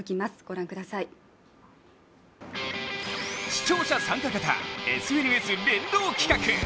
視聴者参加型、ＳＮＳ連動企画。